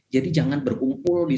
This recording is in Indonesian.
jadi jangan berkumpul di